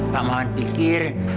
pak maman pikir